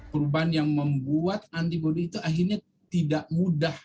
perubahan yang membuat antibody itu akhirnya tidak mudah